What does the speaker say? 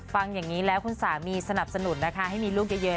ฟังอย่างนี้แล้วคุณสามีสนับสนุนนะคะให้มีลูกเยอะ